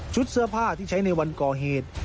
เสื้อผ้าที่ใช้ในวันก่อเหตุ